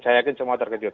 saya yakin semua terkejut